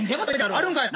あるんかいな。